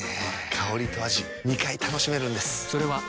香りと味２回楽しめるんです。